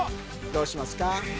どうしますか？